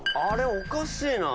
おかしいなぁ。